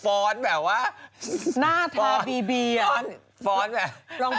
ฟ้อนแบบลองพิวสะสมดีอะผ่องมากอะ